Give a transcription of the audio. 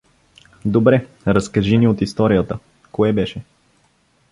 — Добре, разкажи ни от историята; кое беше?